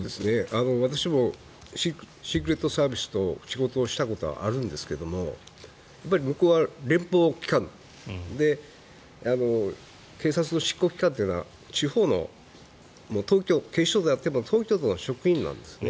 私もシークレットサービスと仕事をしたことあるんですけど向こうは連邦機関で警察の執行機関というのは地方の警視庁であっても東京都の職員なんですね。